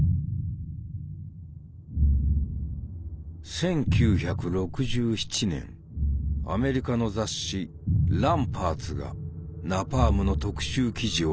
１９６７年アメリカの雑誌「Ｒａｍｐａｒｔｓ」がナパームの特集記事を組んだ。